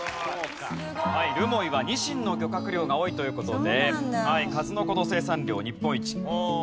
留萌はニシンの漁獲量が多いという事で数の子の生産量日本一。